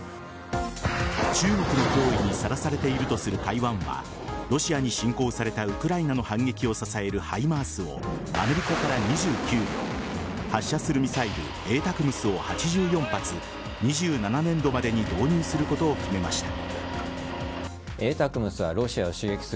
中国の脅威にさらされているとする台湾はロシアに侵攻されたウクライナの反撃を支えるＨＩＭＡＲＳをアメリカから２９両発射するミサイルＡＴＡＣＭＳを８４発２７年度までに導入することを決めました。